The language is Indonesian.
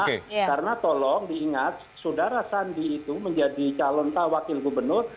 karena tolong diingat saudara sandi itu menjadi calon tawakil gubernur